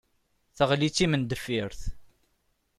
Teɣli d timendeffirt.